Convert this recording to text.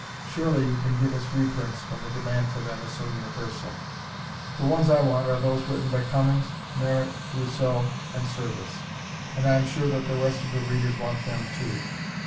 Surely you can give us reprints when the demand for them is so universal. The ones I want are those written by Cummings, Merritt, Rousseau and Serviss, and I am sure that the rest of the readers want them too.